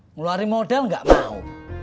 ngeluarin model gak mau